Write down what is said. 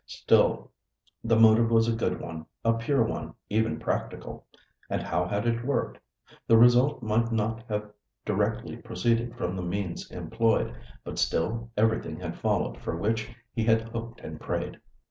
Still, the motive was a good one, a pure one, even practical. And how had it worked? The result might not have directly proceeded from the means employed; but still everything had followed for which he had hoped and prayed.